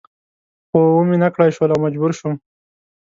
خو و مې نه کړای شول او مجبور شوم.